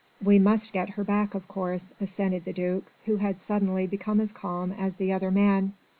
"We must get her back, of course," assented the Duke, who had suddenly become as calm as the other man.